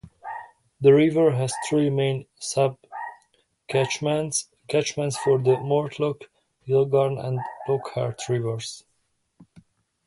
The river has three main sub-catchments: catchments for the Mortlock, Yilgarn, and Lockhart rivers.